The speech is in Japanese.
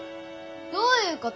どういうこと？